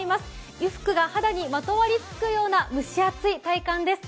衣服が肌にまとわりつくような蒸し暑い体感です。